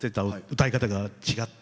歌い方が違って。